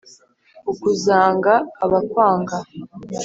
ukazanga abakwanga